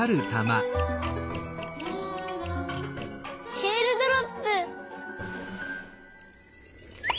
えーるドロップ！